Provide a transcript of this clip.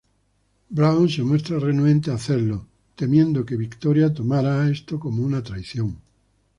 Brown se muestran renuente a hacerlo, temiendo que Victoria tomará esto como una traición.